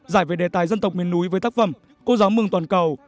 giải về đề tài dân tộc miền núi với tác phẩm cô giáo mừng toàn cầu